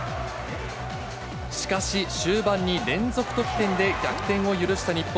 しかし、終盤に連続得点で逆転を許した日本。